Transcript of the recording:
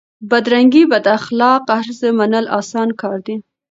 بدرنګي بداخلاق هرڅه منل اسان کار دی؛